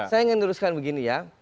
saya ingin luruskan begini ya